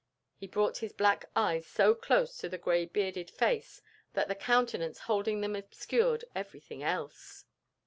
He brought his black eyes so close to the gray bearded face that the countenance holding them obscured everything else.